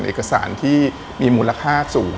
เอกสารที่มีมูลค่าสูง